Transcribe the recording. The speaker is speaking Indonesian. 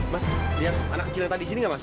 mas lihat anak kecil yang tadi sini nggak mas